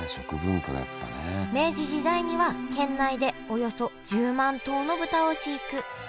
明治時代には県内でおよそ１０万頭の豚を飼育。